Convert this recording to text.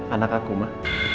anak aku ma